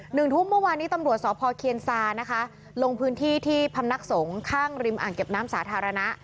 หนึ่งทุ่มเมื่อวานนี้ตำรวจสพเคียนซานะคะลงพื้นที่ที่พำนักสงฆ์ข้างริมอ่างเก็บน้ำสาธารณะ